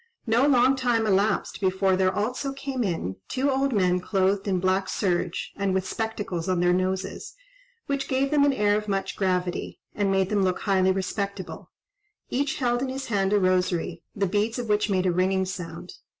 No long time elapsed before there also came in two old men clothed in black serge, and with spectacles on their noses, which gave them an air of much gravity, and made them look highly respectable: each held in his hand a rosary, the beads of which made a ringing sound.